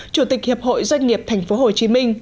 chủ tịch hiệp hội doanh nghiệp tp hcm